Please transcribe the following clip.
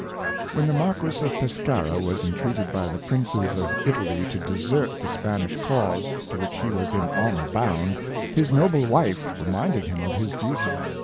When the Marquis of Pescara was entreated by the princes of Italy to desert the Spanish cause, to which he was in honor bound, his noble wife, reminded him of his duty.